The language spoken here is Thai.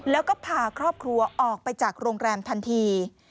แล้วก็พาครอบครัวออกไปจากโรงแรมทันที